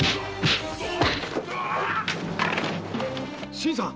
新さん。